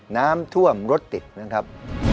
น้ำท่วมรถติดนะครับ